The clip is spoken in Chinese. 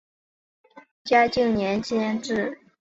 并且在瓷器后面写上明万历年间制或嘉靖年间制。